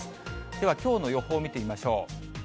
では、きょうの予報見てみましょう。